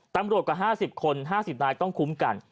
กว่า๕๐คน๕๐นายต้องคุ้มกัน